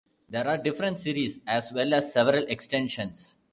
There are different series, as well as several extensions.